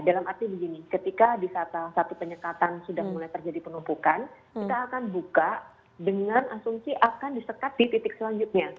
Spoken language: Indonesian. dalam arti begini ketika di saat salah satu penyekatan sudah mulai terjadi penumpukan kita akan buka dengan asumsi akan disekat di titik selanjutnya